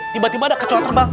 tiba tiba ada kecuali terbang